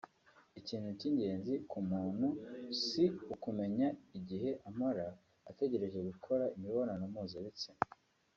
Ikintu cy’ingenzi k’umuntu si ukumenya igihe amara ategereje gukora imibonano mpuzabitsina